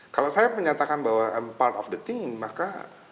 kalau saya menyatakan bahwa part of the ting maka